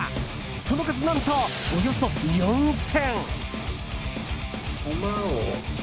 その数、何とおよそ４０００！